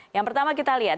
yang pertama kita lihat